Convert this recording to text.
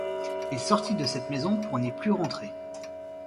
Il sortit de cette maison pour n’y plus rentrer.